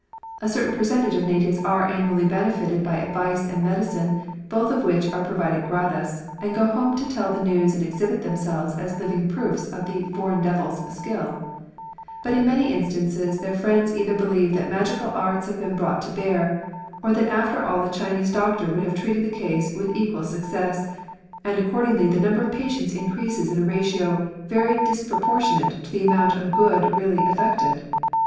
A certain percentage of natives are annually benefited by advice and medicine, both of which are provided gratis, and go home to tell the news and exhibit themselves as living proofs of the foreign devils skill ; but in many instances their friends either believe that magical arts have been brought to bear, or that after all a Chinese doctor would have treated the case wdth equal success, and accordingly the number of patients increases in a ratio very disproportionate to the amount of good really efi'ected.